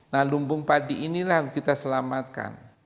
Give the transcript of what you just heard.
nah lumbung padi inilah yang kita selamatkan